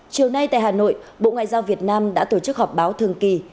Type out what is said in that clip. chiều nay tại hà nội bộ ngoại giao việt nam đã tổ chức họp báo thường kỳ